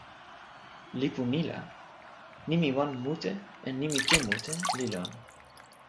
lipu ni la, nimi wan mute en nimi tu mute li lon.